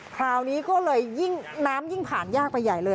คราวนี้ก็เลยยิ่งน้ำยิ่งผ่านยากไปใหญ่เลย